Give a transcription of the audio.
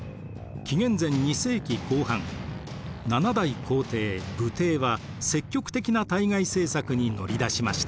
紀元前２世紀後半７代皇帝武帝は積極的な対外政策に乗り出しました。